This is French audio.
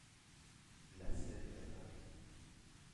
La scène est à Paris.